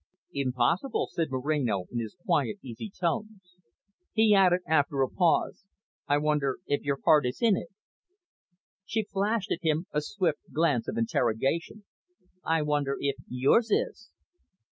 "Impossible," said Moreno in his quiet, easy tones. He added, after a pause, "I wonder if your heart is in it?" She flashed at him a swift glance of interrogation. "I wonder if yours is?"